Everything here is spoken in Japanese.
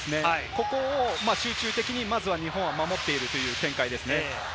ここを集中的に日本は守っているという展開です。